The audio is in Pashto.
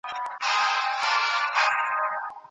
ځینې متخصصان وایي، د نوي رنګ کشف به بحثوړ موضوع وي.